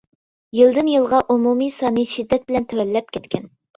يىلدىن-يىلغا ئومۇمىي سانى شىددەت بىلەن تۆۋەنلەپ كەتكەن.